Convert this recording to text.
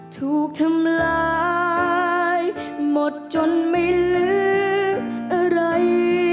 ถูกทำร้ายหมดจนไม่ลืมอะไร